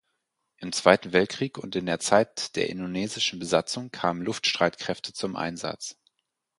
Im Zweiten Weltkrieg und in der Zeit der indonesischen Besatzung kamen Luftstreitkräfte zum Einsatz.